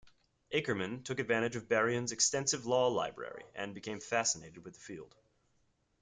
Akerman took advantage of Berrien's extensive law library and became fascinated with the field.